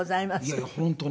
いやいや本当に。